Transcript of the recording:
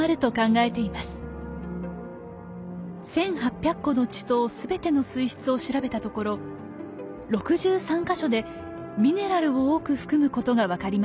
１，８００個の池溏全ての水質を調べたところ６３か所でミネラルを多く含むことが分かりました。